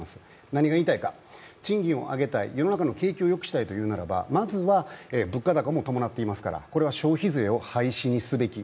何が言いたいか、賃金を上げたい、世の中の景気をよくしたいというならばまずは、物価高も伴っていますから、これは消費税を廃止にすべき。